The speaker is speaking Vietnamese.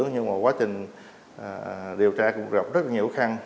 nhưng mà quá trình điều tra cũng gặp rất nhiều khó khăn